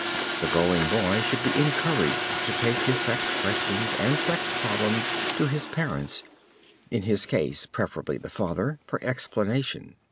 The growing boy should be encouraged to take his sex questions and sex problems to his parents (in his case preferably the father) for explanation.